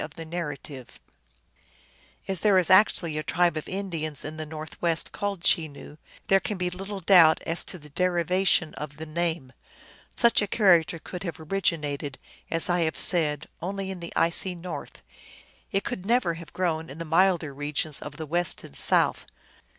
245 As there is actually a tribe of Indiana in the North west called Chenoo, there can be little doubt as to the derivation of the name. Such a character could have originated, as I have said, only in the icy north ; it could never have grown in the milder regions of the west and south.